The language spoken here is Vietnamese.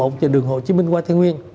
trên đường hồ chí minh qua thiên nguyên